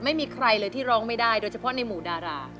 ไม่มีใครเลยที่ร้องไม่ได้โดยเฉพาะในหมู่ดารา